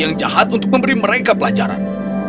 yang jahat untuk memberi mereka pelajaran